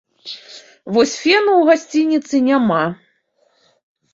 Вось фену ў гасцініцы няма.